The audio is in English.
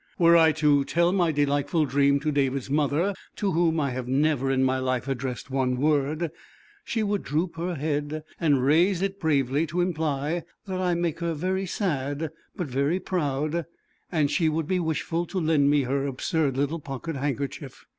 Were I to tell my delightful dream to David's mother, to whom I have never in my life addressed one word, she would droop her head and raise it bravely, to imply that I make her very sad but very proud, and she would be wishful to lend me her absurd little pocket handkerchief.